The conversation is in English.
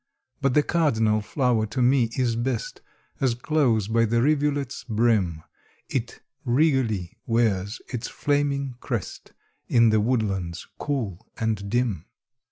But the cardinal flower to me is best As close by the rivulet's brim It regally wears its flaming crest, In the woodlands cool and dim.